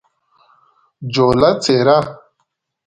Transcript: جوله : څیره